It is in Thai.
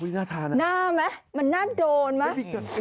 น่าทานนะมันน่าโดนไหม